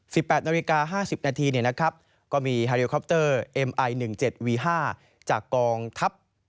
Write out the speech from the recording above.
สิบแปดนาวริกาห้าสิบนาทีเนี้ยนะครับก็มีมีจากกองทับ